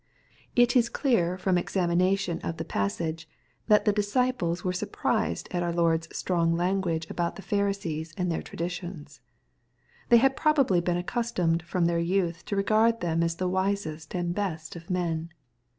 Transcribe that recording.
It is clear from examination of the passage, that the disciples were surprised at our Lord's strong language about the Pharisees and their traditions. They had probably been accustomed from their youth to regard them as the wisest and best of men.